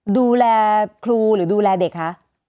ดูแลครูหรือดูแลเด็กคะ